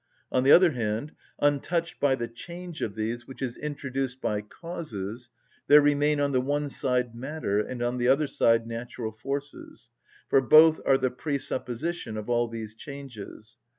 On the other hand, untouched by the change of these which is introduced by causes, there remain on the one side matter, and on the other side natural forces: for both are the presupposition of all these changes.